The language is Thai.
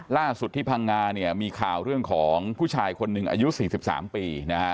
ล่าสุดที่พังงาเนี่ยมีข่าวเรื่องของผู้ชายคนหนึ่งอายุ๔๓ปีนะฮะ